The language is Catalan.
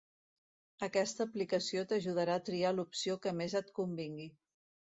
Aquesta aplicació t'ajudarà a triar l'opció que més et convingui.